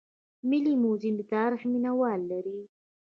ملي موزیم د تاریخ مینه وال لري